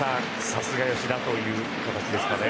さすが吉田という形ですかね。